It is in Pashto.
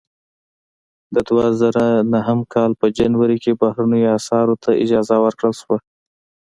د دوه زره نهه کال په جنوري کې بهرنیو اسعارو ته اجازه ورکړل شوه.